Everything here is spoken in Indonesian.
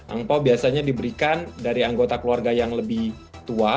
angpao biasanya diberikan dari anggota keluarga yang lebih tua